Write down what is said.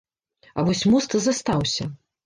А вось мост застаўся.